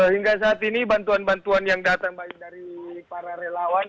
hingga saat ini bantuan bantuan yang datang baik dari para relawan